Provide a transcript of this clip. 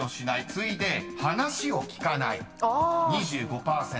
次いで話を聞かない２５％］